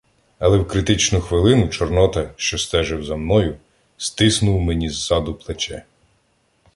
Але в критичну хвилину Чорнота, що стежив за мною, стиснув мені ззаду плече: